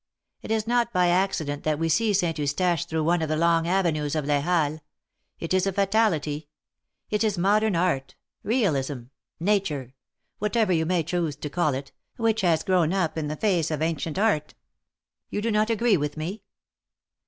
It is not by accident that we see Saint Eustache through one of the long avenues of Les Halles. It is a fatality. It is Modern Art — Realism — Nature — whatever you may choose to call it, which has grown up in the face of Ancient Art. You do not agree with me?"